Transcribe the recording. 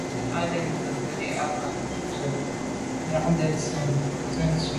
Á lɛ̀ɛ́n mbə̄ mvɛ́lì à’cák gə̀jɔ̀ɔ́ŋ mjɛ́ɛ̀’də̄ nə̀sɔ̀ɔ́k tsə̂ ndzwə́.